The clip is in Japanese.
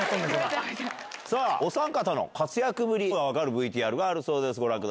おさん方の活躍ぶりが分かるＶＴＲがあるそうです。